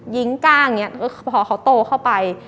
ยิงกล้างพอเขาโตเข้าไป